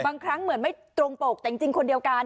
บางครั้งเหมือนไม่ตรงปกแต่จริงคนเดียวกัน